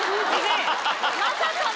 まさかの！